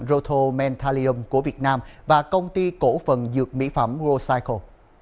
rotomentalium của việt nam và công ty cổ phần dược mỹ phẩm rocycle